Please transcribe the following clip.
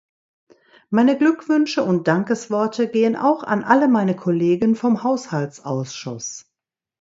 Meine Glückwünsche und Dankesworte gehen auch an alle meine Kollegen vom Haushaltsausschuss.